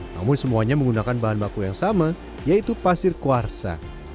namun semuanya menggunakan bahan baku yang sama yaitu pasir kuarsa